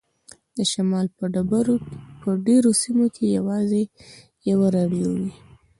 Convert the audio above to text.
د شمال په ډیرو سیمو کې یوازې یوه راډیو وي